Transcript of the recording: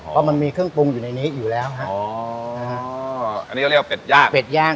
เพราะมันมีเครื่องปรุงอยู่ในนี้อยู่แล้วฮะอ๋ออันนี้ก็เรียกว่าเป็ดย่างเป็ดย่าง